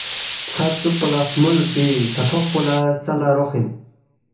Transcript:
ژھر چوکپالا فخمول دی سہ تھوق پو سہ لا رخ اِن